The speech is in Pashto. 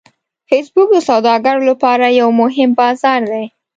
فېسبوک د سوداګرو لپاره یو مهم بازار دی